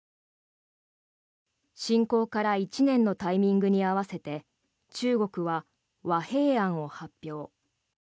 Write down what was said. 侵攻から１年のタイミングに合わせて中国は和平案を発表。